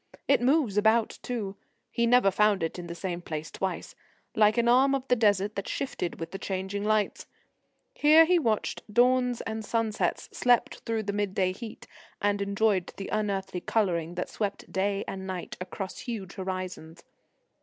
It moves about too; he never found it in the same place twice like an arm of the Desert that shifted with the changing lights. Here he watched dawns and sunsets, slept through the mid day heat, and enjoyed the unearthly colouring that swept Day and Night across the huge horizons.